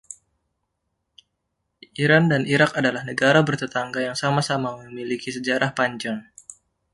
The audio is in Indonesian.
Iran dan Irak adalah negara bertetangga yang sama-sama memiliki sejarah panjang.